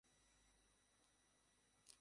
উনি বেশ ভালো আছেন।